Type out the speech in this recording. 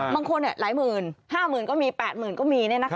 บางคนหลายหมื่นห้าหมื่นก็มีแปดหมื่นก็มี